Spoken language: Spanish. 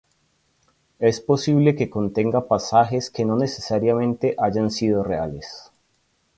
Es posible que contenga pasajes que no necesariamente hayan sido reales.